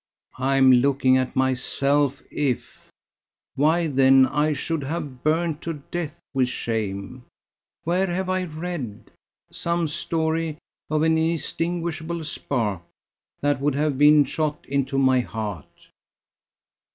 "I am looking at myself If! why, then, I should have burnt to death with shame. Where have I read? some story of an inextinguishable spark. That would have been shot into my heart."